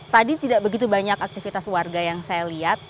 tadi tidak begitu banyak aktivitas warga yang saya lihat